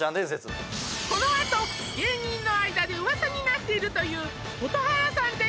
このあと芸人の間でうわさになっているという蛍原さん